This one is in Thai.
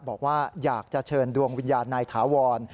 บอกว่าอยากจะเชิญดวงวิญญาณนายถาวร